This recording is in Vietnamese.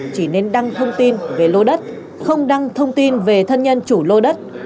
chỉ nên đăng thông tin về lô đất không đăng thông tin về thân nhân chủ lô đất